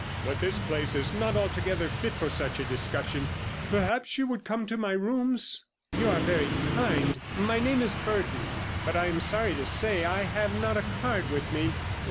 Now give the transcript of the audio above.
But this place is not altogether fit for such a discussion; perhaps you would come to my rooms?' 'You are very kind; my name is Burton, but I am sorry to say I have not a card with me.